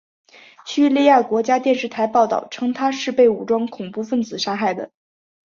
叙利亚国家电视台报道称他是被武装恐怖分子杀害的。